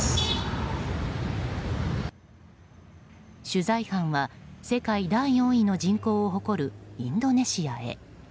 取材班は世界第４位の人口を誇るインドネシアへ。